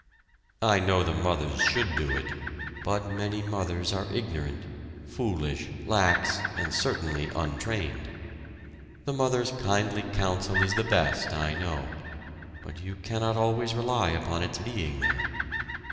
I know the mothers should do it, but many mothers are ignorant, foolish, lax, and certainly untrained. The mother's kindly counsel is the best, I know, but you cannot always rely upon its being there.